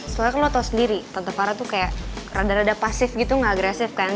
soalnya kalau tau sendiri tante parah tuh kayak rada rada pasif gitu gak agresif kan